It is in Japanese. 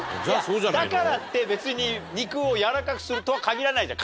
いやだからって別に肉をやわらかくするとは限らないじゃん。